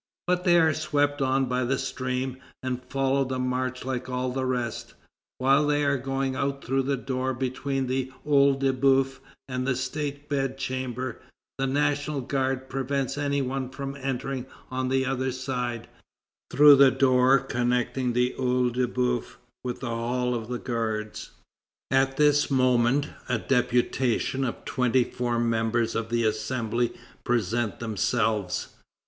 But they are swept on by the stream, and follow the march like all the rest. While they are going out through the door between the OEil de Boeuf and the State Bed chamber, the National Guard prevents any one from entering on the other side, through the door connecting the OEil de Boeuf with the Hall of the Guards. At this moment, a deputation of twenty four members of the Assembly present themselves.